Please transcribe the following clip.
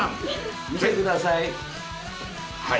見てください。